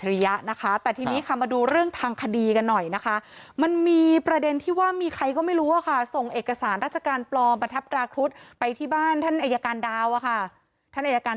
หลังไม้ดีกว่าถ้าเรื่องนี้เดี๋ยวหลังไม้ดีกว่า